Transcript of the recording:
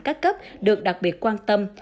các cấp được đặc biệt quan tâm